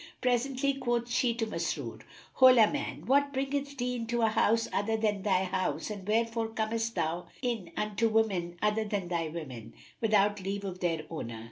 Presently quoth she to Masrur, "Hola man! what bringeth thee into a house other than thy house and wherefore comest thou in unto women other than thy women, without leave of their owner?"